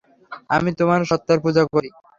আমি তোমার সত্তার পূঁজা করি।